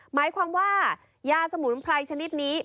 หมายความว่ายาสมุนไพรชนิดนี้